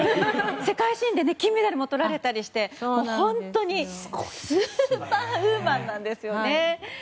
世界新で金メダルとられたりしてスーパーウーマンなんですよね。